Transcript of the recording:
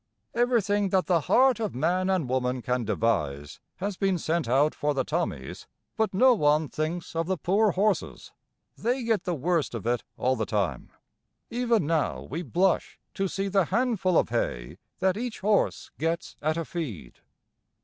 Everything that the heart of man and woman can devise has been sent out for the "Tommies", but no one thinks of the poor horses. They get the worst of it all the time. Even now we blush to see the handful of hay that each horse gets at a feed.